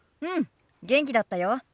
うん元気だったよ。